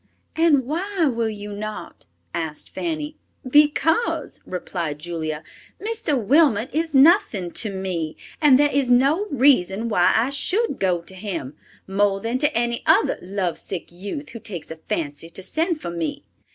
"And why will you not?" asked Fanny. "Because," replied Julia, "Mr. Wilmot is nothing to me, and there is no reason why I should go to him, more than to any other lovesick youth who takes a fancy to send for me.